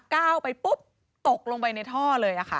ก้าวไปปุ๊บตกลงไปในท่อเลยค่ะ